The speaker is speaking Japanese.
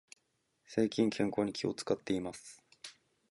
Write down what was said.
最近、健康に気を使っています。